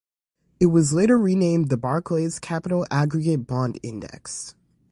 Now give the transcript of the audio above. It was later renamed the Barclays Capital Aggregate Bond Index.